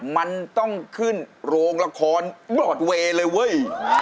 มันต้องขึ้นโรงละครปลอดเวย์เลยเว้ย